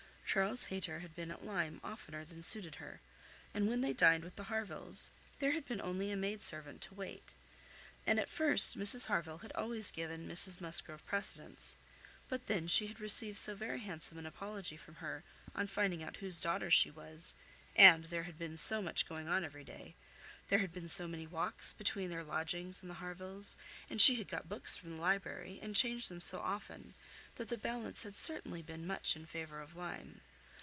Charles Hayter had been at Lyme oftener than suited her; and when they dined with the Harvilles there had been only a maid servant to wait, and at first Mrs Harville had always given Mrs Musgrove precedence; but then, she had received so very handsome an apology from her on finding out whose daughter she was, and there had been so much going on every day, there had been so many walks between their lodgings and the Harvilles, and she had got books from the library, and changed them so often, that the balance had certainly been much in favour of Lyme.